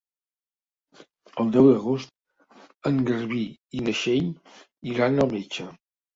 El deu d'agost en Garbí i na Txell iran al metge.